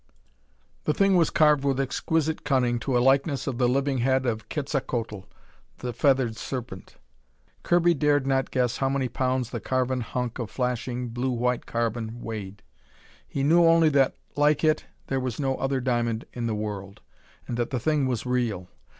The thing was carved with exquisite cunning to a likeness of the living head of Quetzalcoatl, the Feathered Serpent. Kirby dared not guess how many pounds the carven hunk of flashing, blue white carbon weighed. He knew only that like it there was no other diamond in the world, and that the thing was real.